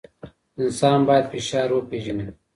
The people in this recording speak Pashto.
انسان باید فشار وپېژني.